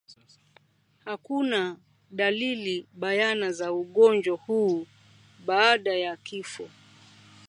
Hakuna dalili bayana za ugonjwa huu baada ya kifo